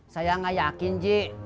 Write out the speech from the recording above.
saya gak yakin ji